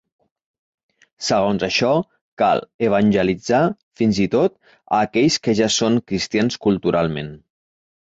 Segons això, cal "evangelitzar" fins i tot a aquells que ja són cristians culturalment.